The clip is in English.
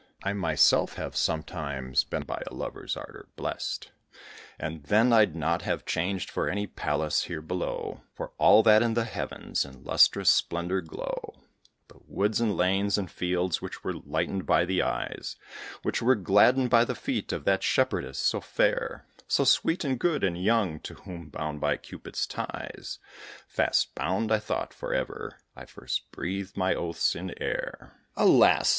I myself have sometimes been by a lover's ardour blest, And then I'd not have changed for any palace here below, Or for all that in the heavens in lustrous splendour glow, The woods, and lanes, and fields, which were lightened by the eyes, Which were gladdened by the feet of that shepherdess so fair, So sweet, and good, and young, to whom, bound by Cupid's ties, Fast bound, I thought, for ever, I first breathed my oaths in air. Alas!